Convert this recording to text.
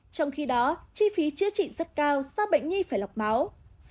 trong khi đó chi phí chữa trị rất cao do bệnh nhi phải lọc máu